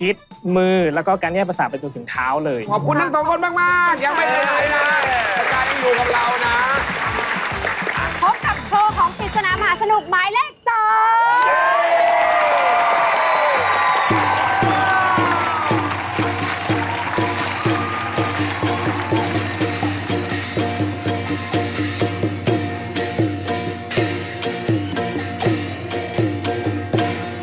และโรงเรียกประโยชน์ของศิลป์โรงโทรศาสตร์ในเทพธิติกิจ